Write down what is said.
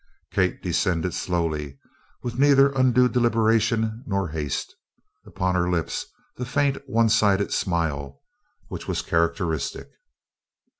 Kate descended slowly, with neither undue deliberation nor haste, upon her lips the faint one sided smile which was characteristic.